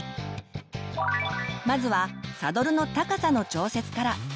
まずはサドルの高さの調節から。